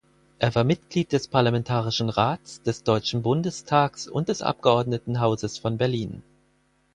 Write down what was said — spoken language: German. Er war Mitglied des Parlamentarischen Rats, des Deutschen Bundestags und des Abgeordnetenhauses von Berlin.